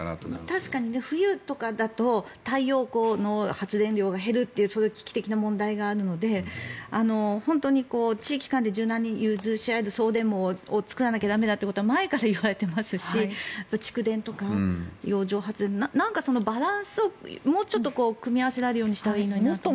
確かに冬とかだと太陽光の発電量が減るという危機的な問題があるので本当に地域間で柔軟に融通し合える環境を作らなきゃ駄目だということは前から言われていますし蓄電とか洋上発電とか何かそのバランスをもうちょっと組み合わせられるようにしたらいいのになと。